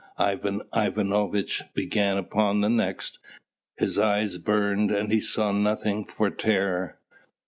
Ivan Ivanovitch began upon the next. His eyes burned and he saw nothing for terror.